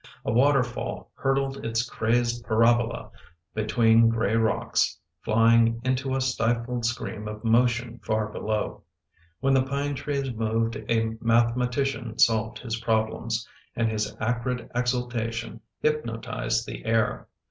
A waterfall hurdled its crazed parabola between gray rocks, flying into a stifled scream of motion far below. When the pine trees moved a mathematician solved his problems, and his acrid exultation hypnotized the air.